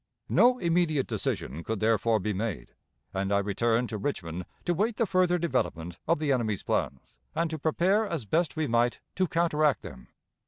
No immediate decision could therefore be made, and I returned to Richmond, to wait the further development of the enemy's plans, and to prepare as best we might to counteract them.